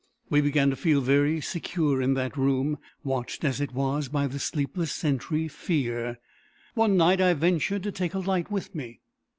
We began to feel very secure in that room, watched as it was by the sleepless sentry, Fear. One night I ventured to take a light with me.